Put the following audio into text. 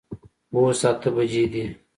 اوس اته بجي دي